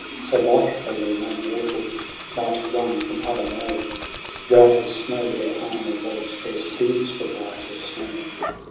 So like they were, no mortal Might one from other know : White as snow their armour was : Their steeds were white as snow.